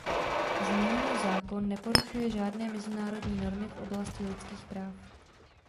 Zmíněný zákon neporušuje žádné mezinárodní normy v oblasti lidských práv.